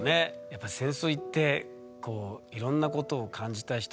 やっぱ戦争行っていろんなことを感じた人の言葉はね